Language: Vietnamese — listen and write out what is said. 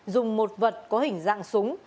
dùng một vật có hình dạng súng